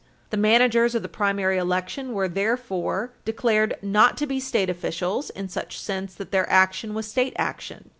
The managers of the primary election were therefore declared not to be state officials in such sense that their action was state action.